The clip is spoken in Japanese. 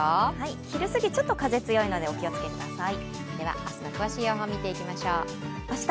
昼すぎ、ちょっと風が強いのでお気をつけください。